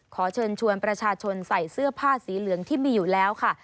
ขอเชิญชวนประชาชนใส่เสื้อผ้าสีเหลืองที่มีอยู่แล้วค่ะ